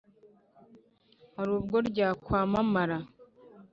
hari ubwo ryakwamamara